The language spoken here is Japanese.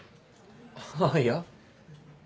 あぁいや。